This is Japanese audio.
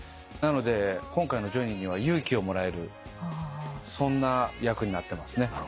なので今回のジョニーには勇気をもらえるそんな役になってますね。